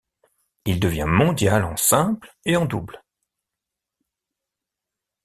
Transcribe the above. Il devient mondial en simple et en double.